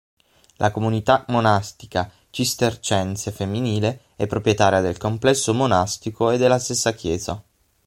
La comunità monastica cistercense femminile è proprietaria del complesso monastico e della stessa chiesa.